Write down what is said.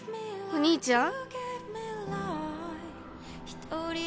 お兄ちゃん！